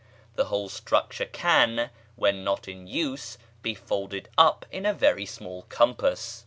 The whole structure can, when not in use, be folded up into a very small compass.